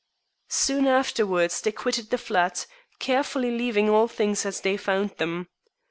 Soon afterwards they quitted the flat, carefully leaving all things as they found them.